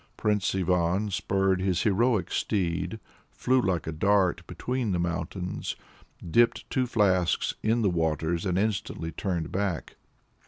Prince Ivan spurred his heroic steed, flew like a dart between the mountains, dipped two flasks in the waters, and instantly turned back."